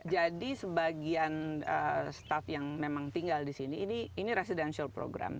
jadi sebagian staff yang memang tinggal di sini ini residential program